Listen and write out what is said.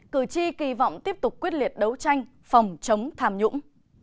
cử tri kỳ vọng tiếp tục quyết liệt đấu tranh phòng chống tham nhũng